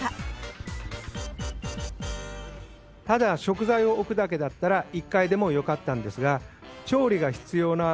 ただ食材を置くだけだったら１階でもよかったんですが。